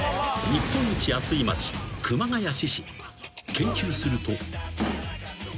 ［研究すると］